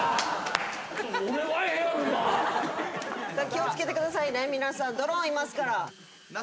気を付けてくださいね皆さんドローンいますから。